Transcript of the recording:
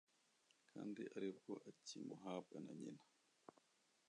kandi ari bwo akimuhabwa na nyina,